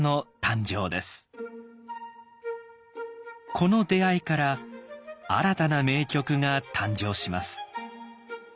この出会いから新たな名曲が誕生します。